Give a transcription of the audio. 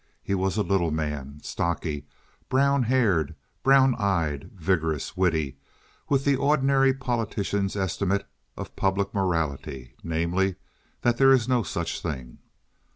He was a little man, stocky, brown haired, brown eyed, vigorous, witty, with the ordinary politician's estimate of public morality—namely, that there is no such thing.